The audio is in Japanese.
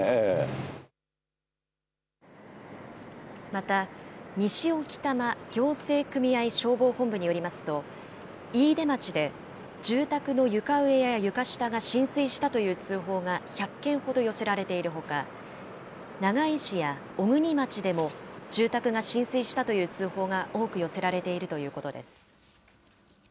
また、西置賜行政組合消防本部によりますと、飯豊町で住宅の床上や床下が浸水したという通報が１００件ほど寄せられているほか、長井市や小国町でも、住宅が浸水したという通報が多く寄せられているということです。